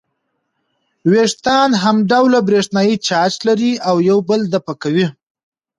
وېښتان همډوله برېښنايي چارج لري او یو بل دفع کوي.